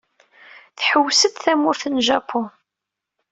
Tḥewwes-d tamurt n Japun.